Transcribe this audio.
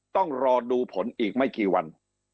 ต้องรอดูผลอีกไม่กี่วัน